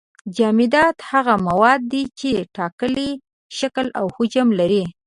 جامدات هغه مواد دي چې ټاکلی شکل او حجم لري.